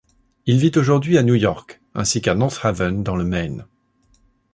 Il vit aujourd'hui à New York ainsi qu'à North Haven, dans la Maine.